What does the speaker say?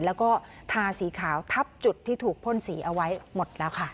แล้วก็ทาสีขาวทับจุดที่ถูกพ่นสีเอาไว้หมดแล้วค่ะ